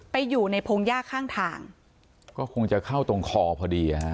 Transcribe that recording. ไปอยู่ในพงหญ้าข้างทางก็คงจะเข้าตรงคอพอดีอ่ะฮะ